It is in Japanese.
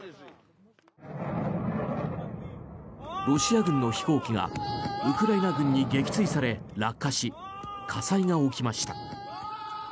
ロシア軍の飛行機がウクライナ軍に撃墜され、落下し火災が起きました。